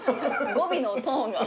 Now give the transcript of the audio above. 語尾のトーンが。